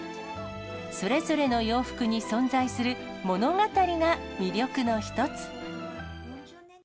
それぞれの洋服に存在する物語が魅力の一つ。